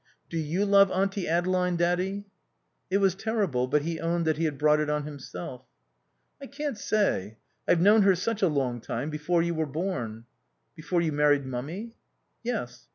"Do you love Auntie Adeline, Daddy?" It was terrible, but he owned that he had brought it on himself. "I can't say. I've known her such a long time; before you were born." "Before you married Mummy!" "Yes."